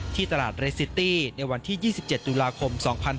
ที่ตลาดเรสซิตี้ในวันที่๒๗ตุลาคม๒๕๖๒